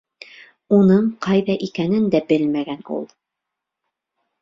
— Уның ҡайҙа икәнен дә белмәгән ул.